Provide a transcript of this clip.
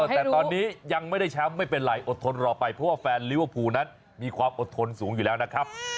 แต่ตอนนี้ยังไม่ได้แชมป์ไม่เป็นไรอดทนรอไปเพราะว่าแฟนลิเวอร์พูลนั้นมีความอดทนสูงอยู่แล้วนะครับ